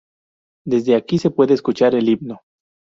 Desde aquí se puede escuchar el himno.